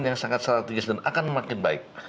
yang sangat strategis dan akan makin baik